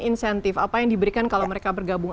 insentif apa yang diberikan kalau mereka bergabung